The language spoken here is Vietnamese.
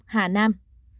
bốn hà nam